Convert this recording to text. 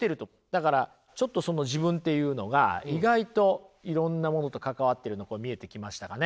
だからちょっとその自分っていうのが意外といろんなものと関わっているの見えてきましたかね。